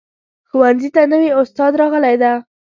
ښوونځي ته نوي استاد راغلی ده